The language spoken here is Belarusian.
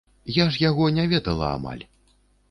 Я ж яго не ведала амаль.